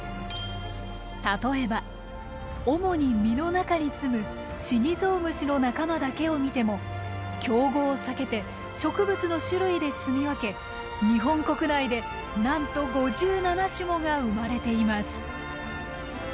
例えば主に実の中にすむシギゾウムシの仲間だけを見ても競合を避けて植物の種類ですみ分け日本国内でなんと５７種もが生まれています。